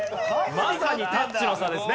まさにタッチの差ですね